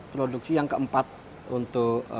produksi yang keempat untuk